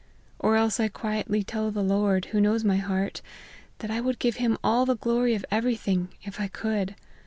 Or else I quietly tell the Lord, who knows the heart, that I would give him all the glory of every thing, if I could.